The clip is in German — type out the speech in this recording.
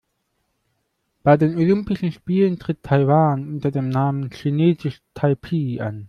Bei den Olympischen Spielen tritt Taiwan unter dem Namen „Chinesisch Taipeh“ an.